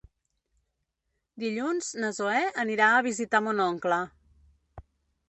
Dilluns na Zoè anirà a visitar mon oncle.